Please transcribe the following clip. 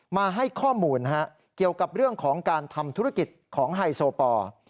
มาให้ข้อมูลเกี่ยวกับเรื่องของการทำธุรกิจของไฮโซปอร์